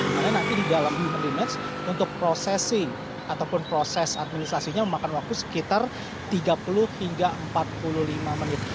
makanya nanti di dalam human rematch untuk processing ataupun proses administrasinya memakan waktu sekitar tiga puluh hingga empat puluh lima menit